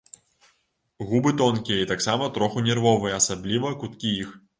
Губы тонкія і таксама троху нервовыя, асабліва куткі іх.